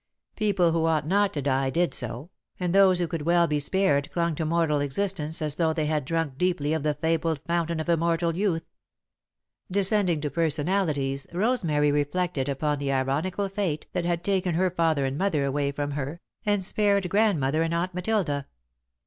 People who ought not to die did so, and those who could well be spared clung to mortal existence as though they had drunk deeply of the fabled fountain of immortal youth. Descending to personalities, Rosemary reflected upon the ironical Fate that had taken her father and mother away from her, and spared Grandmother and Aunt Matilda.